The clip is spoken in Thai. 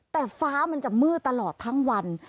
แต่ฟ้ามันจะมืดตลอดทั้งวัน